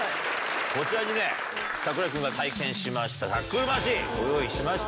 こちらにね櫻井君が体験しましたタックルマシンご用意しました。